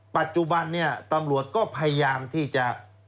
ปัจจุบันเนี่ยตำรวจก็พยายามที่จะ